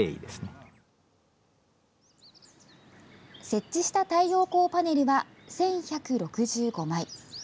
設置した太陽光パネルは１１６５枚。